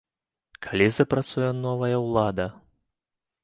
Калі запрацуе новая ўлада?